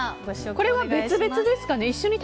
これは別々ですか？